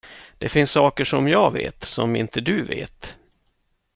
Det finns saker som jag vet som inte du vet.